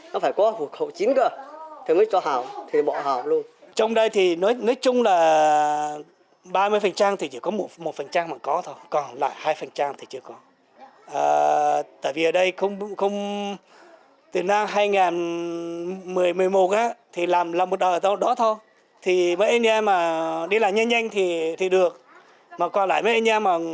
nó phải có hộ khẩu chính cơ thì mới cho hào thì bỏ hào luôn